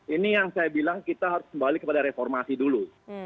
ini yang saya bilang kita harus kembali kepada reformasi dulu